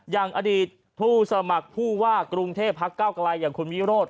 อย่างอดีตผู้สมัครผู้ว่ากรุงเทพพักเก้าไกลอย่างคุณวิโรธ